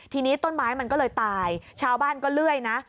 ทีนี้ต้นไม้มันก็เลยตายชาวบ้านก็เลื่อยนะ